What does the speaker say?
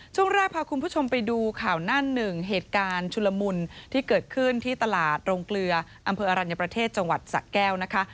ช่วงแรกพาคุณผู้ชมไปดูข่าวหน้าหนึ่งเหตุการณ์ชุลมุนที่เกิดขึ้นที่ตลาดโรงเกลืออำเภออรัญญประเทศจังหวัดสะแก้วนะคะ